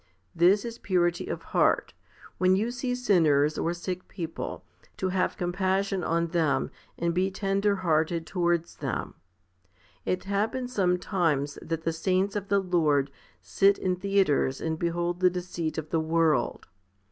This is purity of heart, when you see sinners or sick people, to have compassion on them and be tender hearted towards them. 1 It happens sometimes that the saints of the Lord sit in theatres and behold the deceit of the world.